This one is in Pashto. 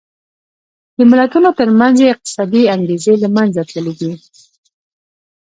د ملتونو ترمنځ یې اقتصادي انګېزې له منځه تللې دي.